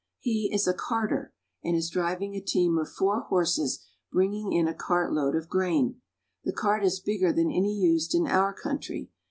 He is a carter, and is driving a team of four horses bringing in a cartload of grain. The cart is bigger than any used in our country.